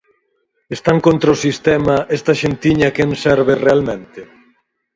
Están contra o sistema, esta xentiña a quen serve realmente?